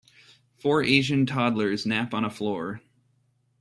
Four Asian toddlers nap on a floor